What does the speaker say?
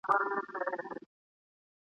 یو په یو یې خپل عیبونه پلټلای !.